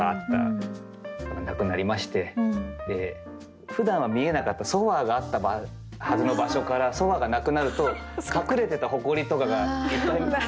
なくなりましてふだんは見えなかったソファーがあったはずの場所からソファーがなくなると隠れてたホコリとかがいっぱいいるんですよね。